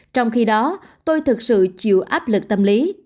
trong khi đó tôi thực sự chịu áp lực tâm lý